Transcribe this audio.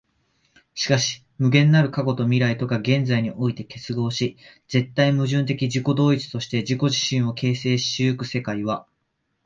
しかし無限なる過去と未来とが現在において結合し、絶対矛盾的自己同一として自己自身を形成し行く世界は、